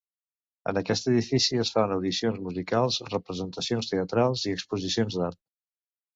En aquest edifici es fan audicions musicals, representacions teatrals i exposicions d'art.